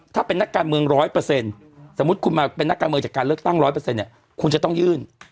ถ้าเป็นนักการเมือง๑๐๐สมมุติคุณมาเป็นนักการเมืองจากการเลือกตั้ง๑๐๐เนี่ยคุณจะต้องยื่น